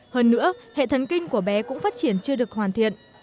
hơn nữa hệ thần kinh của bé cũng phát triển chưa được hoàn thiện